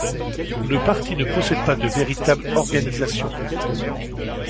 Le parti ne possède pas de véritable organisation.